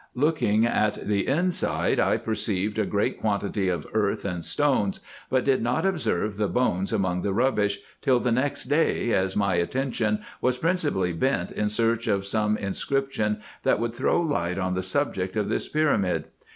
Looking at the inside, I perceived a great quantity of earth and stones, but did not observe the bones among the rubbish till the next day, as my attention was principally bent in search of some inscription that would throw light on the subject of this pyramid.